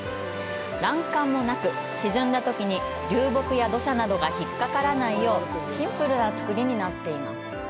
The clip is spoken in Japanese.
欄干もなく、沈んだときに流木や土砂などが引っかからないようシンプルな造りになっています。